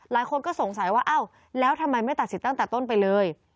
หลายคนก็สงสัยว่าอ้าวแล้วทำไมไม่ตัดสิทธิ์ตั้งแต่ต้นไปเลย